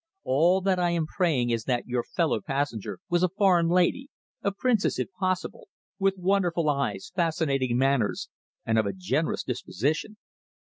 All that I am praying is that your fellow passenger was a foreign lady a princess, if possible with wonderful eyes, fascinating manners, and of a generous disposition."